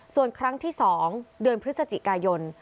ส่วนครั้งที่๒เดือนพฤศจิกายน